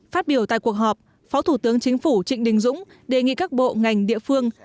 phát biểu tại cuộc họp phó thủ tướng chính phủ trịnh đình dũng đề nghị các bộ ngành địa phương